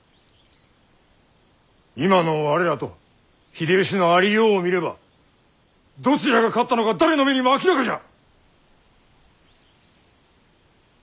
今の我らと秀吉のありようを見ればどちらが勝ったのか誰の目にも明らかじゃ！